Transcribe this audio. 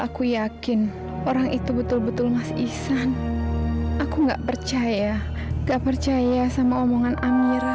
aku yakin orang itu betul betul mas isan aku nggak percaya nggak percaya sama omongan amira